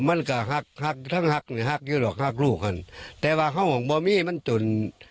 มันก็ทั้งฮักอยู่หรอกฮักลูกค่ะแต่ว่าห้องของบอมมี่มันจุ่น